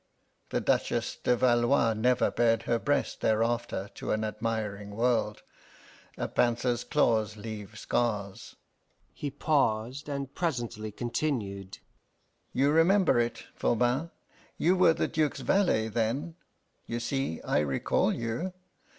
The Duchess de Valois never bared her breast thereafter to an admiring world a panther's claws leave scars." He paused, and presently continued: "You remember it, Voban; you were the Duke's valet then you see I recall you!